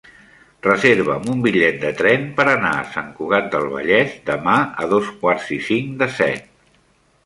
Reserva'm un bitllet de tren per anar a Sant Cugat del Vallès demà a dos quarts i cinc de set.